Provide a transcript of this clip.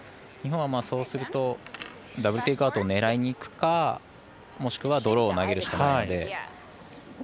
日本はそうするとダブルテイクアウト狙いにいくかもしくはドローを投げるしかないので。